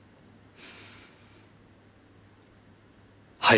はい。